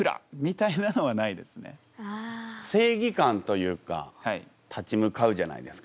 正義感というか立ち向かうじゃないですか。